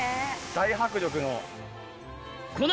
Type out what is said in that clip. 大迫力の。